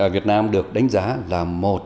việt nam được đánh giá là một